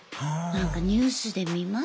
なんかニュースで見ます。